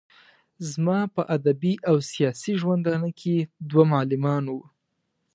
زما په ادبي او سياسي ژوندانه کې دوه معلمان وو.